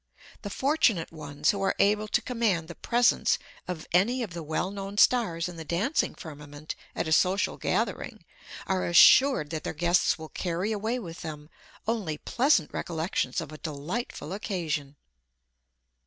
The fortunate ones who are able to command the presence of any of the well known stars in the dancing firmament at a social gathering, are assured that their guests will carry away with them only pleasant recollections of a delightful occasion.